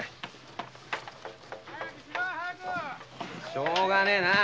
しようがねえな